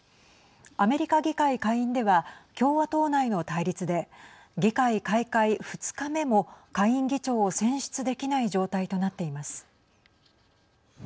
アメリカ議会下院では共和党内の対立で議会開会２日目も下院議長を選出できない状態となっています。